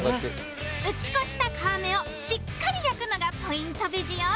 打ち粉した皮目をしっかり焼くのがポイントベジよ